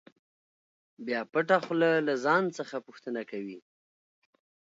بیا پټه خوله له ځان څخه پوښتنه کوي.